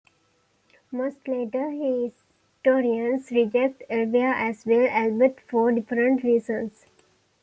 Most later historians reject Alvear as well, albeit for different reasons.